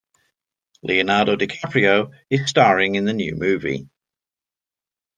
Leonardo DiCaprio is staring in the new movie.